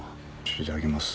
いただきます。